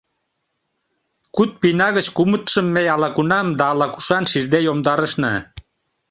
Куд пийна гыч кумытшым ме ала-кунам да ала-кушан шижде йомдарышна.